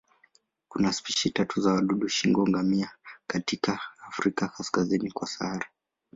Kuna spishi tatu tu za wadudu shingo-ngamia katika Afrika kaskazini kwa Sahara.